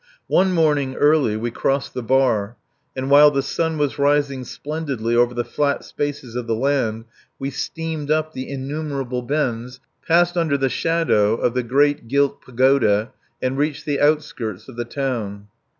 One morning, early, we crossed the bar, and while the sun was rising splendidly over the flat spaces of the land we steamed up the innumerable bends, passed under the shadow of the great gilt pagoda, and reached the outskirts of the town.